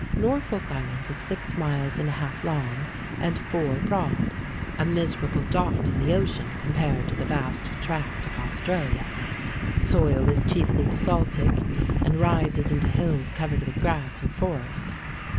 Norfolk Island is six miles and a half long, and four broad—a miserable dot in the ocean compared to the vast tract of Australia. The soil is chiefly basaltic, and rises into hills covered with grass and forest.